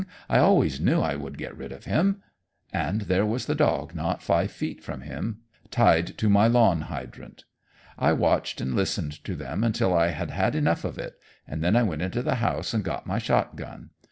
I always knew I would get rid of him." And there was the dog not five feet from them, tied to my lawn hydrant. I watched and listened to them until I had had enough of it, and then I went into the house and got my shotgun.